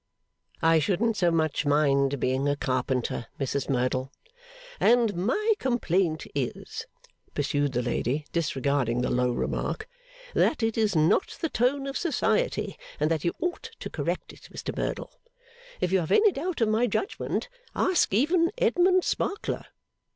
'I shouldn't so much mind being a carpenter, Mrs Merdle.' 'And my complaint is,' pursued the lady, disregarding the low remark, 'that it is not the tone of Society, and that you ought to correct it, Mr Merdle. If you have any doubt of my judgment, ask even Edmund Sparkler.